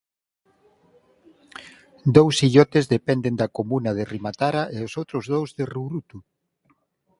Dous illotes dependen da comuna de Rimatara e os outros dous de Rurutu.